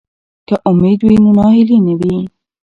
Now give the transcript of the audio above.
که امید وي نو ناهیلي نه وي.